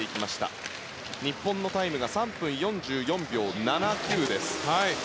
日本のタイムが３分４４秒７９です。